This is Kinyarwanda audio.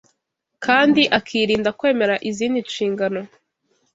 kandi akirinda kwemera izindi nshingano